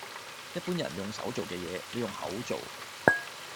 一般人用手做嘅嘢，你用口做